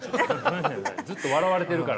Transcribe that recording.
ずっと笑われているから。